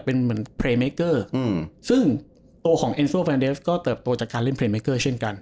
เป็นเหมือนอืมซึ่งตัวของเอ็นโซเฟรนเดสก็เติบตัวจากการเล่นเช่นกัน